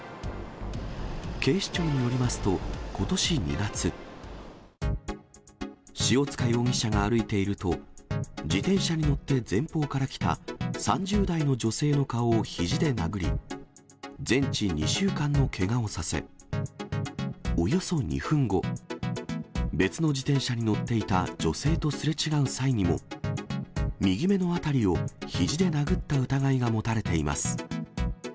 警視庁によりますと、ことし２月、塩塚容疑者が歩いていると、自転車に乗って前方から来た３０代の女性の顔をひじで殴り、全治２週間のけがをさせ、およそ２分後、別の自転車に乗っていた女性とすれ違う際にも、右目のあたりをひじで殴った疑いが持たれています。